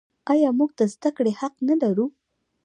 آیا موږ د زده کړې حق نلرو؟